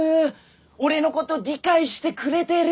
俺のこと理解してくれてる！